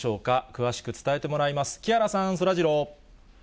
詳しく伝えてもらいます、木原さん、そらジロー。